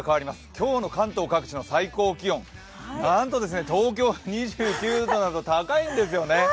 今日の関東各地の最高気温、なんと東京は２９度など高いんですよね。